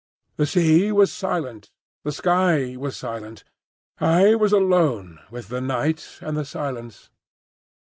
The sea was silent, the sky was silent. I was alone with the night and silence.